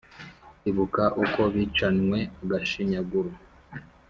Ibuka uko bicanywe agashinyaguro